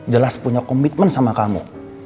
jelas punya komitmen sama kamu